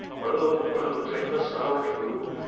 "Well,* well, take the saddle too."